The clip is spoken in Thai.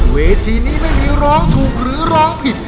เวทีนี้ไม่มีร้องถูกหรือร้องผิด